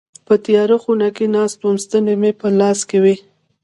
په تياره خونه کي ناست وم ستني مي په لاس کي وي.